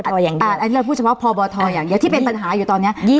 อันนี้เราพูดเฉพาะพบทอย่างเดียวที่เป็นปัญหาอยู่ตอนนี้